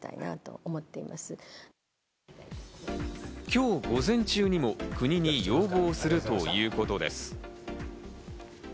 今日、午前中にも国に要望するということです。